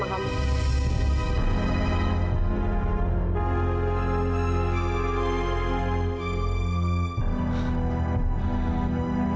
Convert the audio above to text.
tante aku mau pergi